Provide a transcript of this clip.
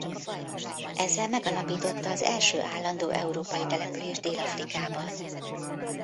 Ezzel megalapította az első állandó európai települést Dél-Afrikában.